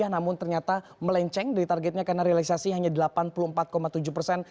namun ternyata melenceng dari targetnya karena realisasi hanya dilakukan